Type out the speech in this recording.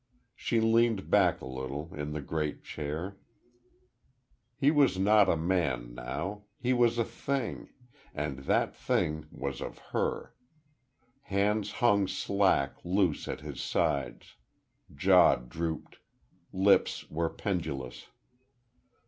She leaned back a little, in the great chair.... He was not a man, now. He was a Thing, and that Thing was of her. Hands hung slack, loose, at his sides; jaw drooped; lips were pendulous.